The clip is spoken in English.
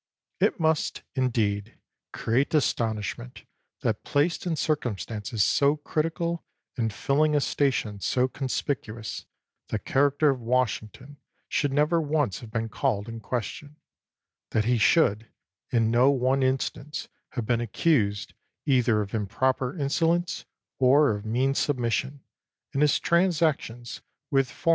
It must, indeed, create astonishment, that, placed in circumstances so critical, and filling a station so conspicuous, the character of Washing ton should never once have been called in ques tion—that he should, in no one instance, have been accused either of improper insolence, or of mean submission, in his transactions with foreign > From a speech delivered in 1794.